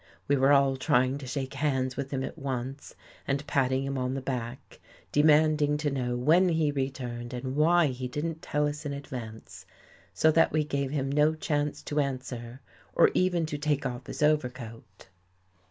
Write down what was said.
We were all trying to shake hands with him at once and patting him on the back, demanding to know when he returned and why he didn't tell us in advance; so that we gave him no chance to answer or even to take off his overcoat.